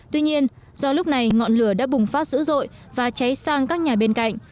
tuy nhiên do lúc này ngọn lửa đã bùng phát dữ dội và cháy sang các nhà bên cạnh